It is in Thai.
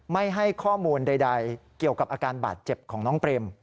ไม่ให้ข้อมูลใดเกี่ยวกับอาการบาดเจ็บของน้องเปรม